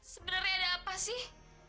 sebenarnya ada apa sih